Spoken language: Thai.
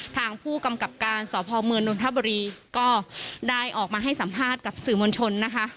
ทางผู้กำกับการสพเมืองนทบุรีก็ได้ออกมาให้สัมภาษณ์กับสื่อมวลชนนะคะ